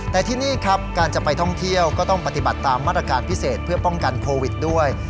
แต่ที่นี่ครับการจะไปท่องเที่ยวก็ต้องปฏิบัติตามมาตรการพิเศษเพื่อป้องกันโควิดด้วย